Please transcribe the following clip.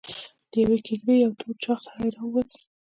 له يوې کېږدۍ يو تور چاغ سړی راووت.